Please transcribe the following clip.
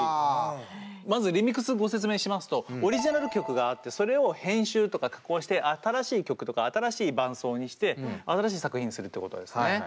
まずリミックスご説明しますとオリジナル曲があってそれを編集とか加工して新しい曲とか新しい伴奏にして新しい作品にするってことですね。